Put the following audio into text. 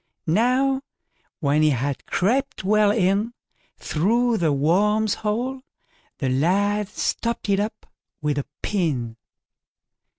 Now, when he had crept well in through the worm's hole, the lad stopped it up with a pin.